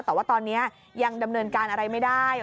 แต่ว่าตอนนี้ยังดำเนินการอะไรไม่ได้